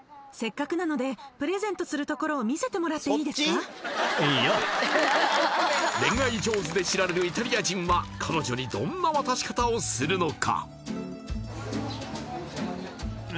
ちょうど恋愛上手で知られるイタリア人は彼女にどんな渡し方をするのか？